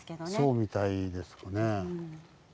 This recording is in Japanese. そうみたいですかね。